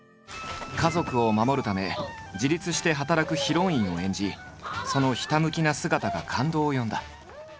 家族を守るため自立して働くヒロインを演じそのひたむきな姿が感動を呼んだ。